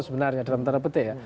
sebenarnya dalam tanda petik ya